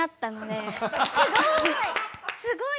すごい！